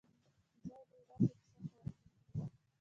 ځای به یې داسې کسانو ته ورکول کېږي.